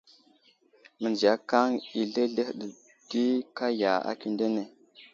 Mənziyakaŋ i zləhəzləhe ɗi kaya akindene.